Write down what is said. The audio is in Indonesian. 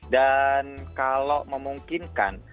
dan kalau memungkinkan